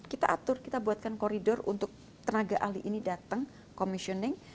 kita atur kita buatkan koridor untuk tenaga ahli ini datang komisioning